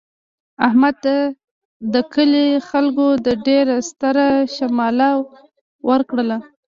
احمد ته د کلي خلکو د ډېر ستره شمله ورکړله.